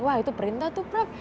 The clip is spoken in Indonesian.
wah itu perintah tuh prak